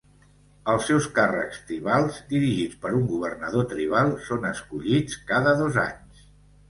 Els seus càrrecs tribals, dirigits per un governador tribal, són escollits cada dos anys.